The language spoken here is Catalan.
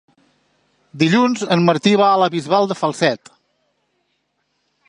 Dilluns en Martí va a la Bisbal de Falset.